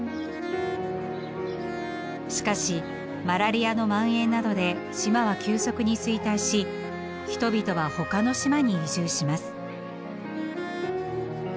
しかしマラリアのまん延などで島は急速に衰退し人々はほかの島に移住します。